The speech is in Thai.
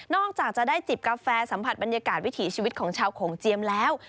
จากจะได้จิบกาแฟสัมผัสบรรยากาศวิถีชีวิตของชาวโขงเจียมแล้ว